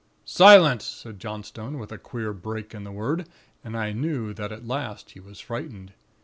"'Silence!' said Johnstone, with a queer break in the word, and I knew that at last he was frightened.